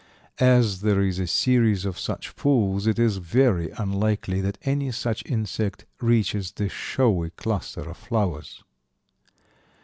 As there is a series of such pools it is very unlikely that any such insect reaches the showy cluster of flowers.